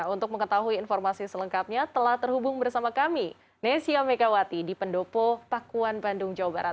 untuk mengetahui informasi selengkapnya telah terhubung bersama kami nesya megawati di pendopo pakuan bandung jawa barat